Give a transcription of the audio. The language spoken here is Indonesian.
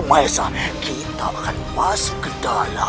baiklah kita tunggu malam semakin lama